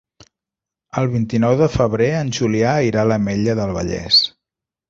El vint-i-nou de febrer en Julià irà a l'Ametlla del Vallès.